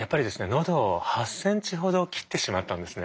喉を８ｃｍほど切ってしまったんですね。